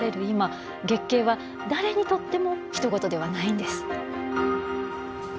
今月経は誰にとってもひと事ではないんです。